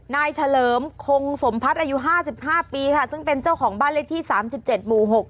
เฉลิมคงสมพัฒน์อายุ๕๕ปีค่ะซึ่งเป็นเจ้าของบ้านเลขที่๓๗หมู่๖